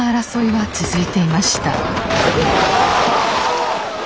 はい！